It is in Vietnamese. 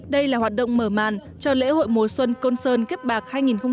đây là hoạt động mở màn cho lễ hội mùa xuân côn sơn kiếp bạc hai nghìn hai mươi bốn